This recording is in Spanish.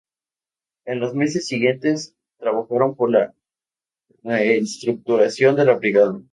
En los meses siguiente trabajaron por la reestructuración de la Brigada.